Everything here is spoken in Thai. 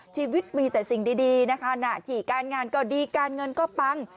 ชีวิตมีแต่สิ่งดีนะคะหน้าที่การงานก็ดีการเงินก็ปัง